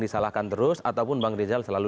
disalahkan terus ataupun bang rizal selalu